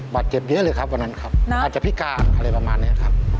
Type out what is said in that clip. บาดเจ็บเยอะเลยครับวันนั้นครับอาจจะพิการอะไรประมาณนี้ครับ